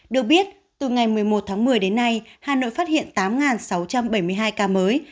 được biết từ ngày một mươi một tháng một mươi đến nay hà nội phát hiện tám sáu trăm bảy mươi hai ca mới